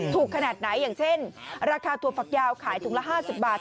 ขนาดไหนอย่างเช่นราคาถั่วฝักยาวขายถุงละ๕๐บาท